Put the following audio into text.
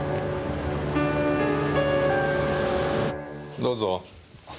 どうぞ。